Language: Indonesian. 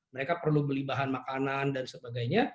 mereka perlu beli bahan makanan dan sebagainya